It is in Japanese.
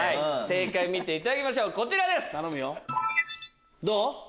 見ていただきましょうこちらです。